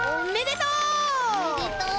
おめでとう！